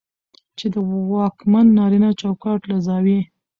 چې د واکمن نارينه چوکاټ له زاويې